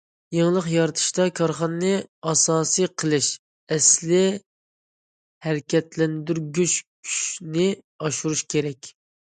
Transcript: يېڭىلىق يارىتىشتا كارخانىنى ئاساس قىلىش، ئەسلىي ھەرىكەتلەندۈرگۈچ كۈچنى ئاشۇرۇش كېرەك.